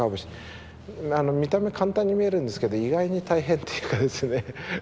見た目簡単に見えるんですけど意外に大変というかですね。